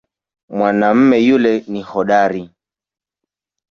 Mwanamume yule ni hodari